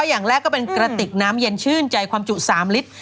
อย่างแรกก็เป็นกระติกน้ำเย็นชื่นใจความจุ๓ลิตร